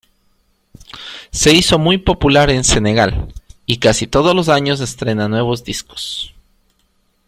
Se hizo muy popular en Senegal y casi todos los años estrena nuevos discos.